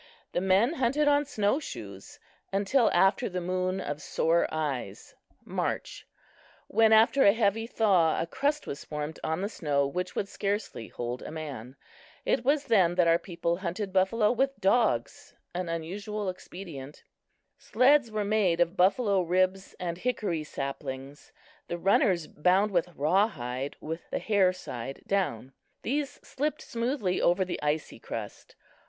The men hunted on snow shoes until after the Moon of Sore Eyes (March), when after a heavy thaw a crust was formed on the snow which would scarcely hold a man. It was then that our people hunted buffalo with dogs an unusual expedient. Sleds were made of buffalo ribs and hickory saplings, the runners bound with rawhide with the hair side down. These slipped smoothly over the icy crust.